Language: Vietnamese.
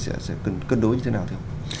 sẽ cần cân đối như thế nào không